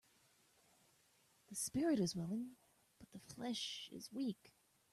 The spirit is willing but the flesh is weak